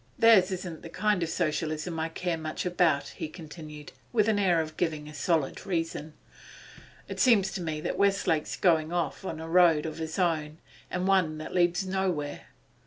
'Theirs isn't the kind of Socialism I care much about,' he continued, with the air of giving a solid reason. 'It seems to me that Westlake's going off on a road of his own, and one that leads nowhere.